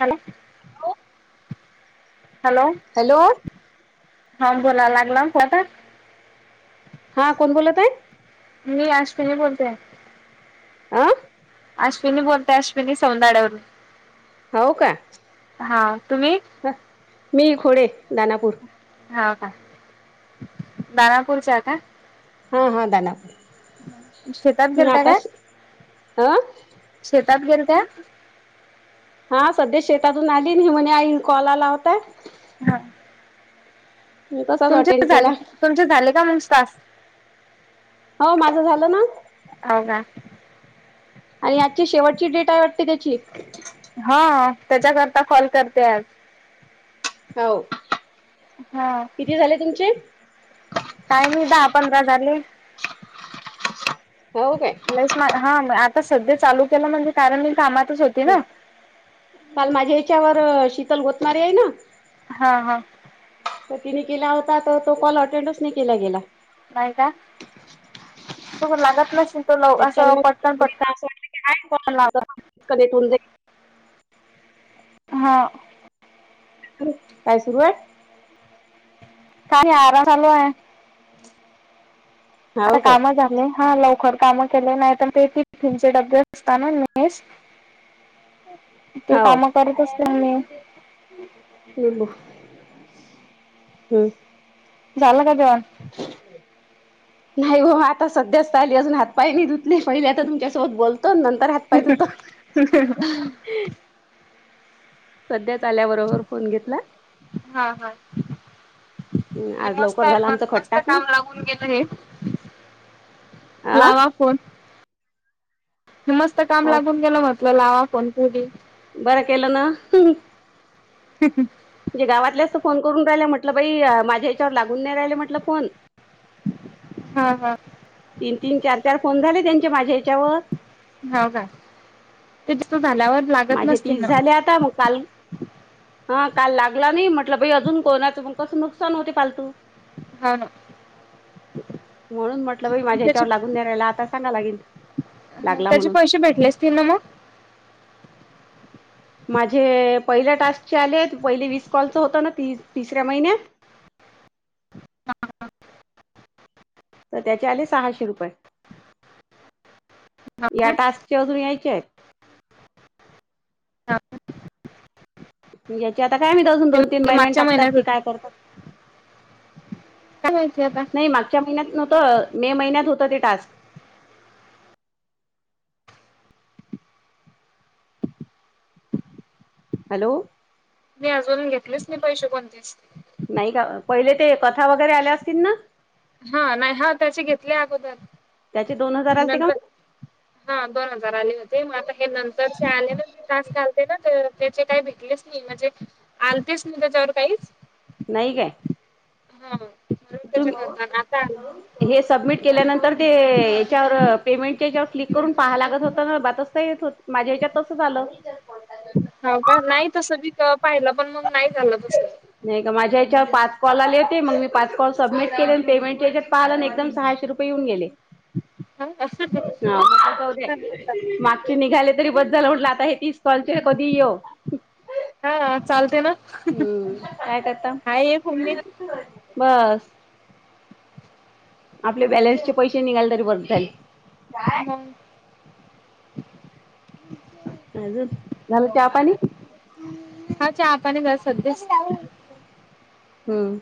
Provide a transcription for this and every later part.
Hello. Hello hello हा बोला लागला कोता [unintelligible] हा कोण बोलत आहे? मी अश्विनी बोलते. आं. अश्विनी बोलते, अश्विनी सौदाड वरुन. हो का. हां, तुम्ही. ह, मी खोडे दानापूर. हा का, दानापूरच्या का? हा हा, दाना शेतात गेलत्या का अताशी अं.. शेतात गेलत्या. हा सध्या शेतातून आली ना, म्हणेज आई कॉल आला होता. हा. तसाच अटेंड तुमचे केला झाले, तुमचे झाले का मग तास. हो, माझं झालं ना. औ का. आई आजची शेवटची डेट आहे वाटते त्यांची. हा, तेच्याकरता कॉल करते आज. हो, हा किती झाले तुमचे. टायम ही दहा पंधरा झाले. हो काय. लईच हा, आता संध्या चालू केला म्हणजे, कारण मी कामातच होती. हं, ना काल माझ्या हेच्यावर शीतल गोतमारे हे ना. हा हा. तर तिने केला होता तर तो कॉल अटेंडच नाही केला गेला. नाही का, तू लागत नसली तर अस त्याच्या मग पटकन पटकन. [unintelligible] कनेक्ट होऊन जाईल. हां. काय सुरुवात. काय आराम चालू आहे, आता हाव काय काम झा हा लवकर काम केले नाही, ते स्टीफन चे डब्बे असतात ना नाइस. [inaudible] हो. [unintelligible] हम्म. झालं का जेवणं. नाही ओ आता सध्याच आली, अजून हात पाय नाही धुत नाही पहिले आता तुमच्यासोबत बोलतो, नंतर हात पाय धुतो. सध्याच आल्याबरोबर फोन घेतला. हा हा. अ.. हे आज मस्त लवकर आहे झाला, पण आमच खत मस्त टाकन. काम लागून गेलं हे आं.. लावा फोन. मस्त काम हो लागून, गेलं म्हटलं लावा फोन होवू दे. बरं केलं ना. [unintelligible] म्हणजे गावातल्याचत फोन करून राहिला म्हटलं बाई, माझ्या याच्यावर लागून नाही राहिले म्हटलं फोन. हा हा. तीन तीन चार चार फोन झाले, त्यांचे माझ्या हेच्यावर. हो का, तो दिसतो झाल्यावर. लागत माझे नसतील तीस ना झाले आता मग काल हा काल लागला नाही म्हटलं, बाई अजून कोणाचं मग कसं नुकसान होते फालतू. हा ना. म्हणून म्हटलं बाई माझ्या त्याचे याच्यावर लागून न रायला आता सांगा लागेल लागेलं. त्याचे पैसे भेटले. तिन मा माझे पहिल्या टास्कचे आले पहिले वीस कॉलच होतं ना ती तिसऱ्या महिन्यात. तर त्याचे आले सहाशे रुपये या टास्कचे अजून यायचे. या्याचे आता काय मी अजून दोन तीन ते महिन्यांनी मागच्या टाकतात महिन्यात की होते काय करतात. काय मायती आता नाही मागच्या महिन्यात नव्हतं मे महिन्यात होतं ते टास्क. हॅलो. मी अजून घेतलेच नाही पैसे कोणतीच. नाही का पहिले ते कथा वगैरे आल्या असतील ना. हा नाही हा त्याचे घेतले अगोदर त्याचे दोन हजार आलते का नंतर हा दोन हजार आले होते मग आता हे नंतर जे आले ना ते तास घालते ना त्याचे काय भिकले. म्हणजे आलतेच म त्याच्यावर काहीच. नाही काय. हा त्याच्या करता तुम्ही आता. हे सबमिट केल्यानंतर ते याच्यावर पेमेंटच्याच्यावर क्लिक करून पाहा लागत होत ना बातचता येत होत. माझ्या याच्यात तसं झालं. हो का नाही तस बी पाहिलं पण मग नाही झालं तस. नाही का माझ्या ह्याच्यावर पाच कॉल आले होते मग मी पाच कॉल सबमिट केले पेमेंट याच्यात पाहिलं एकदम सहाशे. किती रुपये येऊ गेले. [inaudible] ह म बी. [unintelligible] निघाले तरी बस झालं म्हटलं आता हे तीस कॉलचे कधी येऊ. हा हा चालते ना. हम्म काय करता हाय एक उमेद [inaudible] बस. आपले बॅलेन्सचे पैसे निघाले तरी बरं झाल. मग अजून झालं चहा पाणी. हा चहा पाणी घर सध्या. हम्म.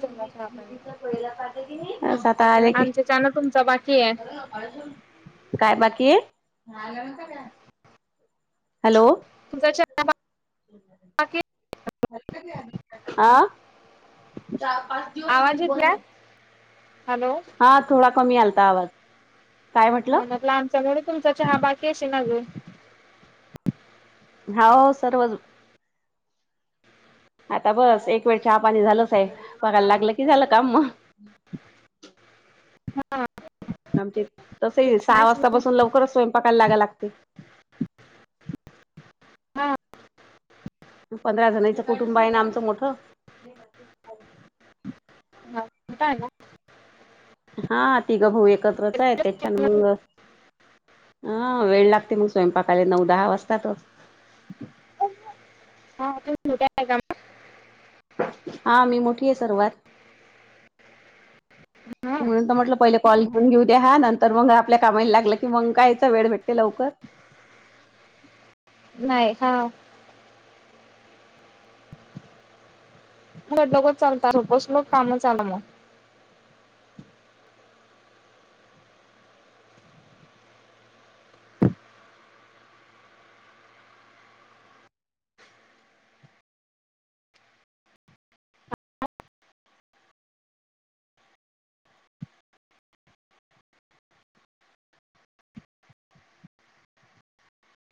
झाला चहा पाणी पाहिजे कीता आले की आमच्या चहा ना तुमचा बाकी आहे काय बाकी ये [inaudible] हॅलो. तुझ [unintelligible] आ. चार पाच दिवस आवाज लिप येत बंद नाही हाय. हॅलो. हा थोडा कमी आलता आवाज. काय म्हटलं होना लानच्यामुळे तुमचा चहा बाकी अशी नाजयं. हा ओ सर्वच. आता बस एक वेळ चहापाणी झालंच आहे बघायला लागलं की झालं काम मग. हा हा. आमचे तसे सहा वाजतापासून लवकरच स्वयंपाकायला लागायला लागते. हा. पंधरा जणांचं कुटुंब आहे ना आमचं मोठं. [inaudible] ता आहे ना. हा तिघं भाऊ एकत्रच आहे त्या छान ना मंग हा वेळ लागते मग स्वयंपाकाला नऊ, दहा वाजताातच हा तो छोट्या आहे का हा मी मोठी आहे सर्वात [inaudible] म्हणून तर म्हटलं पहिले कॉल घेऊ द्या नंतर मग आपल्या कामाला लागलं की मग कायचं वेळ भेटते लवकर नाही हा ख लोच चालतात सपोज लक कामं चाल मग